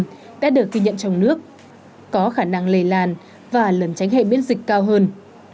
pa năm đã được ghi nhận trong nước có khả năng lề làn và lần tránh hệ biến dịch cao hơn